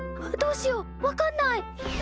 どうしよう分かんない。